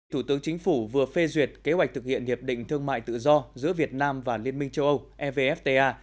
thủ tướng chính phủ vừa phê duyệt kế hoạch thực hiện hiệp định thương mại tự do giữa việt nam và liên minh châu âu evfta